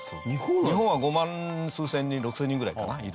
日本は５万数千人６０００人ぐらいかな。